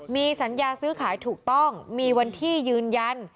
มีสัญญาซื้อขายถูกต้องมีวันที่ยืนยัน